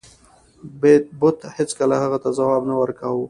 بت هیڅکله هغه ته ځواب نه ورکاو.